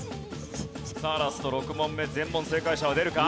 さあラスト６問目全問正解者は出るか？